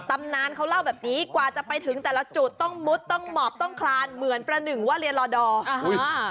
ตำนานเขาเล่าแบบนี้กว่าจะไปถึงแต่ละจุดต้องมุดต้องหมอบต้องคลานเหมือนประหนึ่งว่าเรียนรอดอร์อ่า